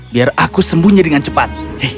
biar aku sembunyi dengan cepat